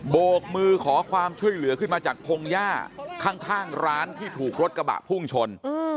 โบกมือขอความช่วยเหลือขึ้นมาจากพงหญ้าข้างร้านที่ถูกรถกระบะพุ่งชน